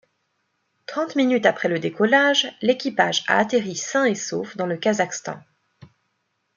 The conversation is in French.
Trente minutes après le décollage, l'équipage a atterri sain et sauf dans le Kazakhstan.